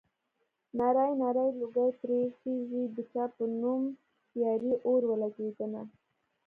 نری نری لوګی ترې خيږي د چا په نوې يارۍ اور ولګېدنه